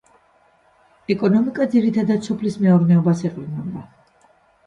ეკონომიკა ძირითადად სოფლის მეურნეობას ეყრდნობა.